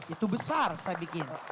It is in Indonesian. itu besar saya bikin